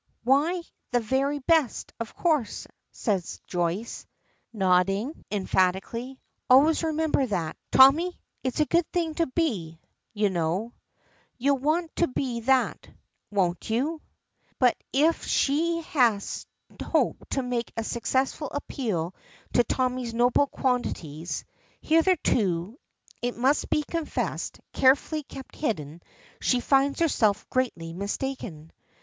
"Why, the very best, of course," says Joyce, nodding emphatically. "Always remember that, Tommy. It's a good thing to be, you know. You'll want to be that, won't you?" But if she has hoped to make a successful appeal to Tommy's noble qualities (hitherto, it must be confessed, carefully kept hidden), she finds herself greatly mistaken.